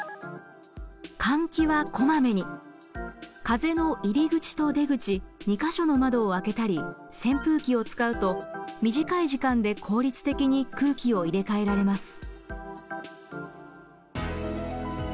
風の入り口と出口２か所の窓を開けたり扇風機を使うと短い時間で効率的に空気を入れ替えられます。